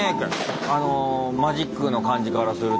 あのマジックの感じからすると。